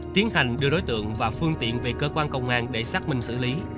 tiến hành đưa đối tượng và phương tiện về cơ quan công an để xác minh xử lý